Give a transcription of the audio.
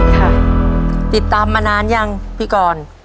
ค่ะติดตามมานานยังพี่กร